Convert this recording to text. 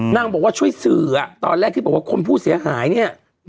นางบอกว่าช่วยสื่อตอนแรกที่บอกว่าคนผู้เสียหายเนี่ย